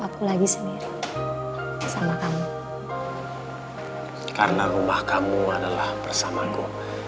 karena rumah kamu adalah bersamaku